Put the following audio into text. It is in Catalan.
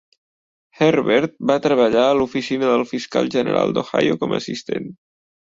Herbert va treballar a l'oficina del Fiscal General d'Ohio com a assistent.